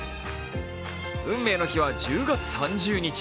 運命の日は１０月３０日。